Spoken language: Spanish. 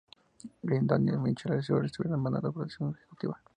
Greg Daniels y Michael Schur estuvieron al mando de la producción ejecutiva.